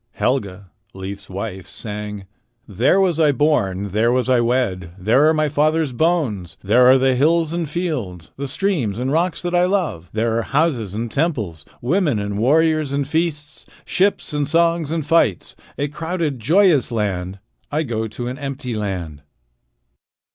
Helga, Leif's wife, sang: "There was I born. There was I wed. There are my father's bones. There are the hills and fields, The streams and rocks that I love. There are houses and temples, Women and warriors and feasts, Ships and songs and fights A crowded, joyous land. I go to an empty land."